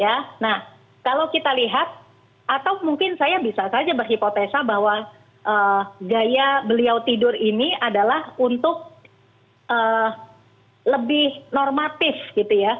ya nah kalau kita lihat atau mungkin saya bisa saja berhipotesa bahwa gaya beliau tidur ini adalah untuk lebih normatif gitu ya